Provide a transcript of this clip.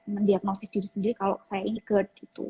mendiagnosis diri sendiri kalau saya ini gerd